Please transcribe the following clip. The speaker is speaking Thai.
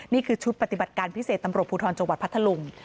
นี่คือชุดปฏิบัติการพิเศษตำรวจภูทรจังหวัดพัทธลุง